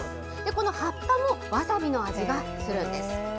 この葉っぱもワサビの味がするんです。